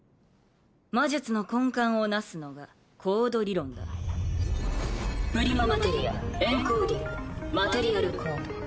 魔術の根幹を成すのがコード理論だプリママテリアエンコーディングマテリアルコード